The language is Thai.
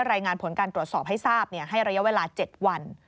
รายงานผลการตรวจสอบให้ทราบให้ระยะเวลา๗วัน